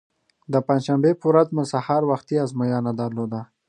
د پنجشنبې په ورځ مو سهار وختي ازموینه درلوده.